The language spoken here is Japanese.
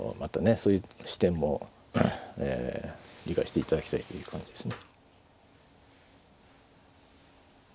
そういう視点もええ理解していただきたいという感じですね。